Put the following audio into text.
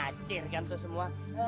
ngacirkan tuh semua